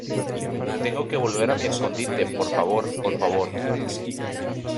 tengo que volver a mi escondite, por favor. por favor .